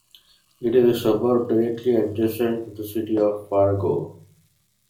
It is a suburb directly adjacent to the city of Fargo.